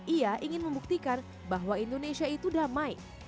ia ingin membuktikan bahwa indonesia itu damai